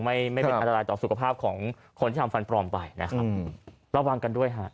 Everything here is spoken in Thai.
ไม่ไม่เป็นอันตรายต่อสุขภาพของคนที่ทำฟันปลอมไปนะครับระวังกันด้วยฮะ